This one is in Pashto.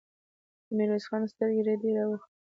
د ميرويس خان سترګې رډې راوختې!